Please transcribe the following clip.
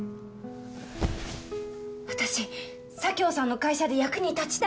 私佐京さんの会社で役に立ちたいです